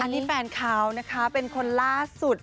นี่แฟนเขานะคะเป็นคนล่าสุด